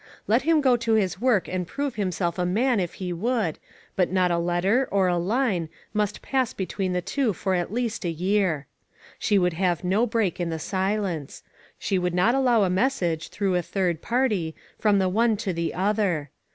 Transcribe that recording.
Let him go to his work and prove himself a man, if he would, but not a letter, or a line, must pass between the two for at least a year. She would have no break in the silence. She would not allow a message, through a third party, from the one to the other.